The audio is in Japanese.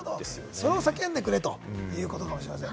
それを叫んでくれってことかもしれません。